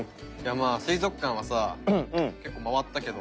水族館はさあ結構回ったけど。